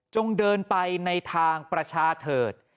เดินไปในทางประชาเถิด